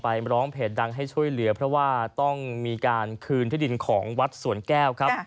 ร้องเพจดังให้ช่วยเหลือเพราะว่าต้องมีการคืนที่ดินของวัดสวนแก้วครับ